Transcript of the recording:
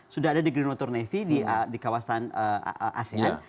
sudah ada di greenwater navy di kawasan asean